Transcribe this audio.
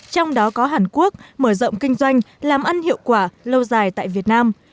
trong đó có hàn quốc mở rộng kinh doanh làm ăn hiệu quả lâu dài tại việt nam